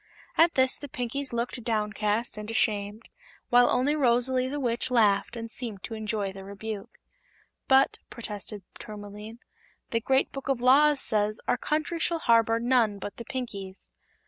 At this the Pinkies looked downcast and ashamed, while only Rosalie the Witch laughed and seemed to enjoy the rebuke. "But," protested Tourmaline, "the Great Book of Laws says our country shall harbor none but the Pinkies."